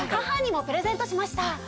「母にもプレゼントしました」